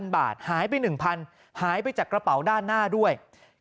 บาทหายไป๑๐๐หายไปจากกระเป๋าด้านหน้าด้วย